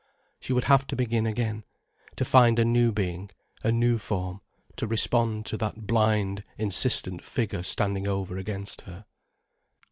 She would have to begin again, to find a new being, a new form, to respond to that blind, insistent figure standing over against her.